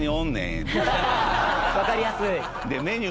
わかりやすい。